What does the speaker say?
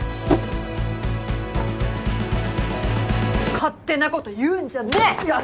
勝手なこと言うんじゃねえ！